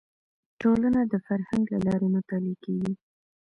ټولنه د فرهنګ له لارې مطالعه کیږي